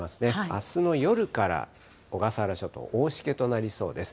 あすの夜から小笠原諸島、大しけとなりそうです。